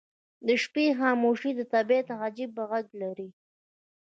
• د شپې خاموشي د طبیعت عجیب غږ لري.